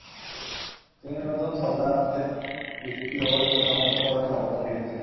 তিনি নতুন সালতানাতের বিস্তৃতি ও সুসংহতকরণেও অবদান রেখেছেন।